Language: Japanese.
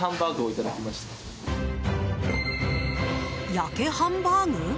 ヤケハンバーグ？